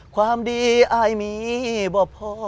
ความดีอายมีบ่พอ